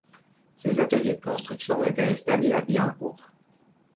Ses ateliers de construction étaient installés à Billancourt.